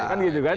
kan gitu kan